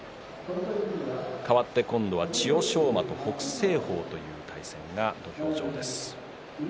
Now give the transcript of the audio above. かわって今度は千代翔馬と北青鵬という対戦が土俵上です。